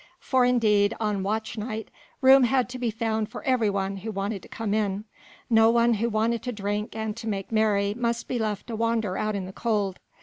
For indeed, on watch night, room had to be found for every one who wanted to come in; no one who wanted to drink and to make merry must be left to wander out in the cold.